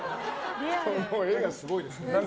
絵がすごいですね。